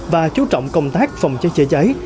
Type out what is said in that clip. và chú trọng công tác phòng cháy cháy cháy